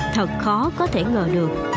thật khó có thể ngờ được